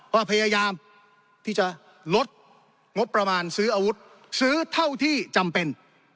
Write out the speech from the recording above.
ว่าพยายามที่จะลดงบประมาณซื้ออาวุธซื้อเท่าที่จำเป็น